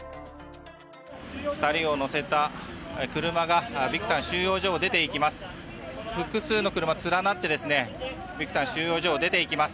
２人を乗せた車がビクタン収容所を出ていきます。